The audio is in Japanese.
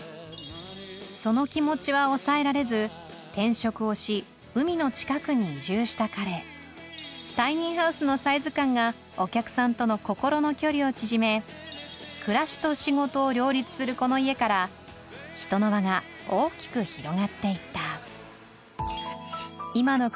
その気持ちは抑えられず転職をし海の近くに移住した彼タイニーハウスのサイズ感がお客さんとの心の距離を縮め暮らしと仕事を両立するこの家から人の輪が大きく広がって行った